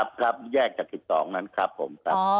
ครับแยกจาก๑๒นั้นครับผมครับ